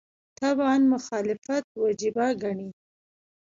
تعبداً مخالفت وجیبه ګڼي.